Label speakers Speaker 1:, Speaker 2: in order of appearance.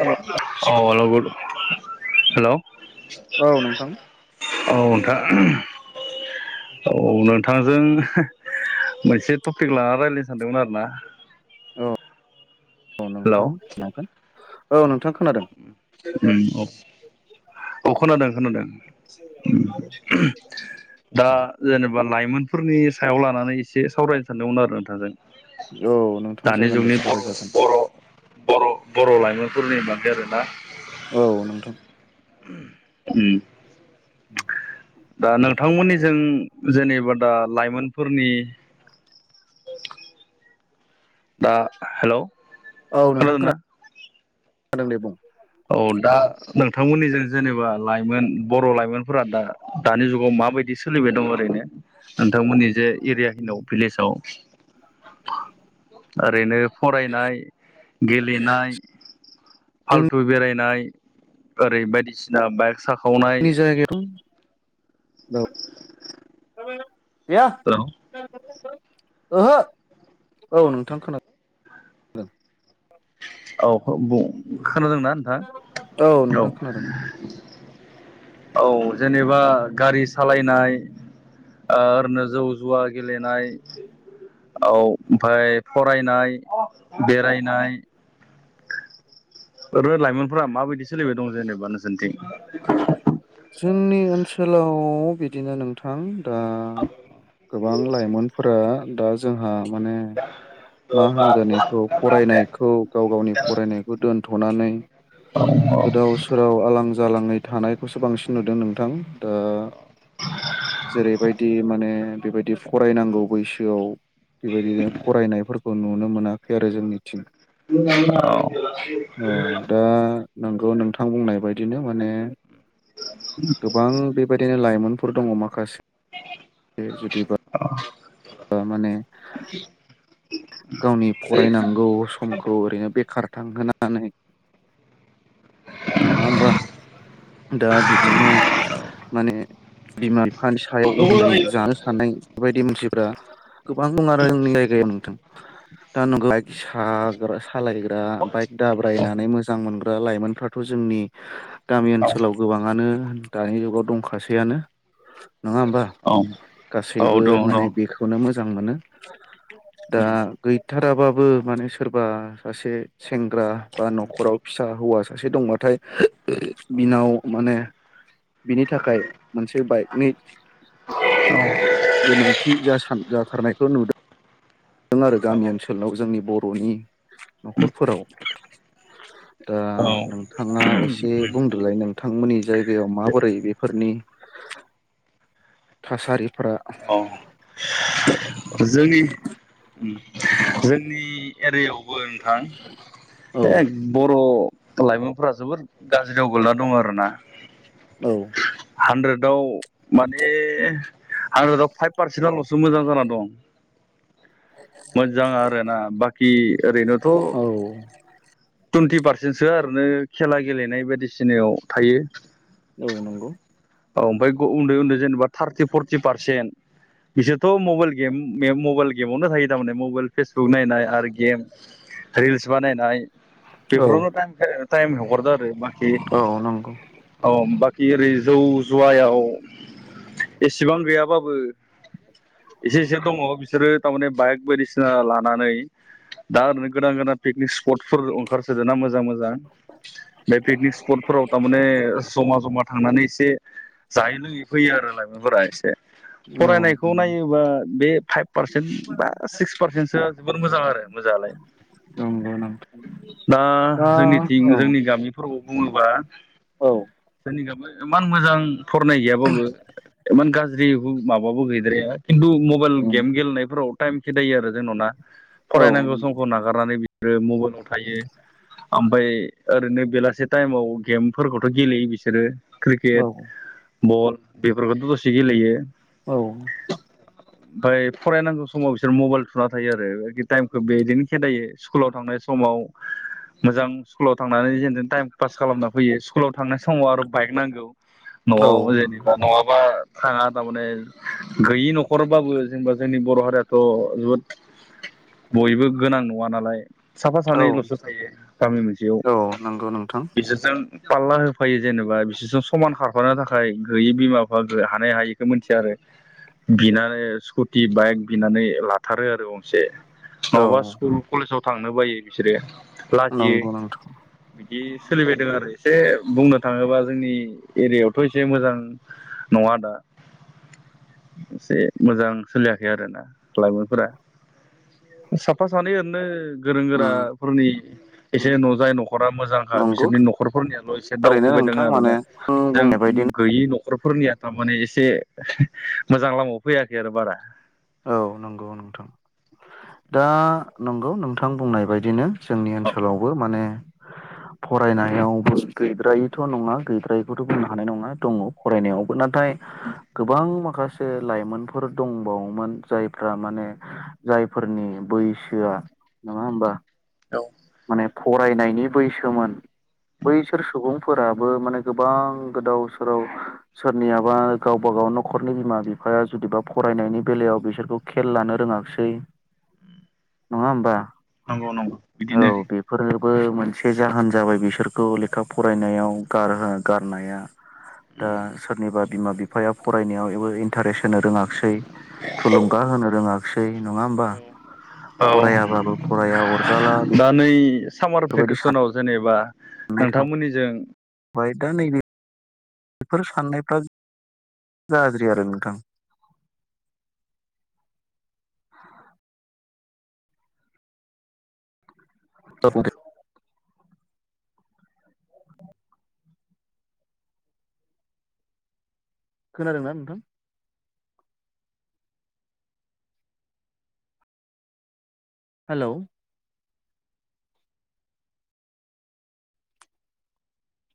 Speaker 1: हेल'
Speaker 2: औ नोंथां औ नोंथांजों
Speaker 1: बुंलाय
Speaker 2: मोनसे टपिक लानानै रायज्लायनो सानदोंमोन आरोना
Speaker 1: औ औ
Speaker 2: हेलौ
Speaker 1: नोंथां जागोन
Speaker 2: औ
Speaker 1: नोंथां खोनादों
Speaker 2: उम औ अ खोनादों खोनादों उम दा जेनेबा लाइमोनफोरनि सायाव लानानै एसे सावरायनो सानदोंमोन आरो नोंथांजों
Speaker 1: औ नोंथां
Speaker 2: दानि
Speaker 1: जागोन दे
Speaker 2: जुगनि
Speaker 1: सावराय जागोन
Speaker 2: बर' बर' बर' बर' लाइमोनफोरनि बादै आरोना
Speaker 1: औ नोंथां
Speaker 2: उम
Speaker 1: उम
Speaker 2: दा नोंथांमोननिजों जेनेबा दा लाइमोनफोरनि दा हेल'
Speaker 1: औ नोंथां खोनादों दे बुं।
Speaker 2: औ दा नोंथांमोननिजों जेनेबा लाइमोन बर' लाइमोनफोरा दा दानि जुगाव माबायदि बिदि सोलिबाय दं ओरैनो नोंथांमोननि जे एरियानिव भिलेजाव [inaudible] ओरैनो फरायनाय गेलेनाय फाल
Speaker 1: जोंनि
Speaker 2: बेरायनाय ओरै बायदिसिना बाइक साखावनाय
Speaker 1: जोंनि जायगायाव औ दैया
Speaker 2: औ
Speaker 1: ओहो औ नोंथां खोनादों
Speaker 2: औ बुं खोनादोंना नोंथां औ।
Speaker 1: नोंथां खोनादों
Speaker 2: औ जेनेबा गारि सालायनाय ओ ओरैनो जौ जुवा गेलेनाय औ ओमफाय फरायनाय बेरायनाय ओरै लाइमोनफोरा माबायदि सोलिबाय दं जेनेबा नोसोरनिथिं
Speaker 1: जोंनि ओनसोलाव बिदिनो नोंथां दा गोबां लाइमोनफोरा दा जोंहा माने मा होनगोन एखौ फरायनायखौ गाव गावनि फरायनायखौ दोन्थनानै
Speaker 2: औ
Speaker 1: गोदाव सोराव आलां जालाङै थानायखौसो बांसिन नुदों नोंथां दा जेरैबायदि माने बेबायदि फरायनांगौ बैसोआव बेबायदिनो फरायनायफोरखौ नुनो मोनाखै आरो जोंनिथिं। अ दा
Speaker 2: [unintelligible]
Speaker 1: नोंगौ नोंथां बुंनाय बायदिनो माने गोबां बेबायदिनो लाइमोन फोर दङ माखासे जदि माने गावनि फरायनांगौ समखौ ओरैनो बेखार थांहोनानै नङा होमबा दा बिदिनो माने बिमा बिफानि सायाव उदुै जानो सानायनाय बेबायदि मानसिफ्रा गोबां दं आरो जोंनि जायगायाव नोंथां दा नोंलाय साग्रा सालायग्रा बाइक दाब्रायनानै मोजां मोनग्रा लाइमोनफ्राथ जोंनि गामि
Speaker 2: औ
Speaker 1: ओनसोलाव गोबाङानो दानि जुगाव दंखासैयानो नङा होमबा गासैबो माने बेखौनो मोजां मोनो दा गैथाराबाबो माने सोरबा सासे सेंग्रा बा नखराव फिसा हौवा सासे दंबाथाय बिनाव माने बिनि थाखाय मोनसे बाइकनि गोनांथि जासा जाथारनायखौ नुदों नुदों आरो गामि ओनसोलाव जोंनि बर' बर'नि न'खरफोराव ओ
Speaker 2: औ
Speaker 1: नोंथाङा एसे बुंदोलाय नोंथांमोननि जायगायाव माबोरै बेफोरनि थासारि
Speaker 2: औ जोंनि उ जोंनि एरियायावबो नोंथां
Speaker 1: औ
Speaker 2: एक बर' लाइमोनफोरा जोबोद गाज्रियाव गोगलैना दङ आरोना
Speaker 1: औ
Speaker 2: हानद्रेदाव माने हानद्रेदाव फाइभ पारसे सिबांलसो मोजां जाना दं मोजां आरोना बाखि ओरैनोथ'
Speaker 1: औ
Speaker 2: टुइन्टि पारसेनसोआ आरैनो खेला गेलेनाय बायदिसिनायाव थायो
Speaker 1: औ नंगौ
Speaker 2: औ ओमफ्राय उन्दै उन्दै जेनेबा थार्टि फरटि पारसेन्ट बिसोरथ' मबाइल गेम मबाइल गेमावनो थायो थारमाने मबाइल फेसबुक नायनाय आरो गेम रिल्स बानायनायनाय
Speaker 1: औ
Speaker 2: बेफोरावनो टाइम हगरदो आरो बाखि
Speaker 1: औ नंगौ
Speaker 2: औ बि जौ जुवायाव एसेबां गैयाबाबो एसे एसे दङ बिसोरो थारमाने बाइक बायदिसिना लानानै दा ओरैनो गोदाव गोदान पिकनिक स्पटफोर ओंखारसोदो ना मोजां मोजां बे पिकनिक स्पटफोराव थामाने जमा जमा थांनानै एसे जायै लोङै फैयो आरो लाइमोनफोरा एसे
Speaker 1: औ
Speaker 2: फरायनायखौ नायोबा बे फाइभ पारसेन्ट बा सिक्स पारसेन्टसो जोबोर मोजां आरो मोजाङलाय
Speaker 1: नोंगौ
Speaker 2: दा जोंनिथिं
Speaker 1: औ
Speaker 2: जोंनि गामिफोरखौ बुङोबा
Speaker 1: औ
Speaker 2: जोंनि गाबो इमान मोजां फरायनाय गैयाबाबो इमान गाज्रि माबाबो गैद्राया खिन्थु मबाइल गेम गेलेनायफोराव टाइम खेदायो आरो जोंनाव ना
Speaker 1: औ
Speaker 2: फरायनांगौ
Speaker 1: नंगौ
Speaker 2: समखौ नागारनानै आरो मबाइलाव थायो ओमफ्राय ओरैनो बेलासे टाइमाव गेमफोरखौथ' गेलेयो बिसोरो क्रिकेट
Speaker 1: औ
Speaker 2: बल बेफोरखौथ दसे गेलेयो
Speaker 1: औ
Speaker 2: [inaudible] ओमफ्राय फरायनांगौ समाव बिसोर मबाइल थुना थायो आरो टाइमखौ बिदिनो खेदायो स्कुलाव थांनाय समाव मोजां स्कुलाव थांनानै जेनथेन टाइमखो पास खालामना फैयो स्कुलाव थांनाय समाव आरो बाइक नांगौ
Speaker 1: औ
Speaker 2: न'आव जेनेबा
Speaker 1: नंगौ
Speaker 2: नंङाबा थाङा थारमाने गैयि नखरबाबो जेनेबा जोंनि बर हारियाथ जोबोद बयबो गोनां नङा नालाय साफा
Speaker 1: औ
Speaker 2: सानैल'सो थायो गामि मोनसेयाव
Speaker 1: औ नंगौ नोंथां
Speaker 2: बिसोरजों फारला होफायो जेनेबा बिसोरसां समान खारफानो थाखाय गैयि बिमा बिफा हानाय हायिखौ मिथिया आरो बिनानै स्कुटि बाइक बिनानै लाथारो आरो गंसे
Speaker 1: औ
Speaker 2: नङाबा स्कुल कलेजाव थांनो बायो बिसोरो लाजियो
Speaker 1: नंगौ नोंथां
Speaker 2: बिदि सोलिबायदों आरो एसे बुंनो थाङोबा जोंनि एरियायावथ' एसे मोजां नङा दा एसे मोजां सोलियाखै आरोना लाइमोनफोरा साफा सानै ओरैनो गोरों
Speaker 1: उम
Speaker 2: गोराफोरनि
Speaker 1: उम
Speaker 2: एसे न' जाय न'खरा मोजांखा
Speaker 1: नंगौ
Speaker 2: बिसोरनि न'खरफोरनियाल' एसे
Speaker 1: ओरैनो
Speaker 2: दावखोबाय
Speaker 1: नोंथां
Speaker 2: [unintelligible]
Speaker 1: माने
Speaker 2: आरोना
Speaker 1: आं
Speaker 2: जों
Speaker 1: बुंनाय बायदिनो
Speaker 2: गोयै न' न'खरफोरनिया थारमाने एसे मोजां लामायाव फैयाखै आरो बारा
Speaker 1: औ नोंगौ नोंथां दा नोंगौ नोंथां बुंनाय बायदिनो जोंनि
Speaker 2: औ
Speaker 1: ओनसोलावबो माने
Speaker 2: [inaudible]
Speaker 1: फरायनायावबो गैद्रायैथ' नङा गैद्रायैखौथ' बुंनो हानाय नङा दङ फरायनायावबो ना नाथाय गोबां माखासे लाइमोनफोर दंबावो जायफ्रा माने जायफोरनि बैसोआ नङा होमबा माने फरायनायनि बैसोमोन बैसोर सुबुं फोराबो माने गोबां गोदाव सोराव सोरनियाबा गावबा गाव न'खरनि बिमा बिफा बिफाया जुदिबा फरायनायनि बेलायाव बिसोरखौ खेल लानो रोङासै नङा होमबा
Speaker 2: नंगौ नंगौ
Speaker 1: औ
Speaker 2: बिदिनो
Speaker 1: बेफोरनोबो मोनसे जाहोन जाबाय बिसोरखौ लेखा फरायनायाव गार गारनाया दा सोरनिबा बिमा बिफाया फरायनायावबो इन्टारेस्ट होनो रोङासै थुलुंगा होनो रोङासै नङा होमबा?
Speaker 2: औ
Speaker 1: फरायाबबो फराया अरजाला बे
Speaker 2: दा नै सामार भेकेसनाव जेनेबा
Speaker 1: साननाय
Speaker 2: नोंथांमोननिजों
Speaker 1: थाबाय दा नैबे बेफोर साननायफ्रा गाज्रि आरो नोंथां
Speaker 2: [inaudible]
Speaker 1: [unintelligible] खोनादोंना नोंथां? हेलौ।